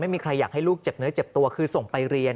ไม่มีใครอยากให้ลูกเจ็บเนื้อเจ็บตัวคือส่งไปเรียน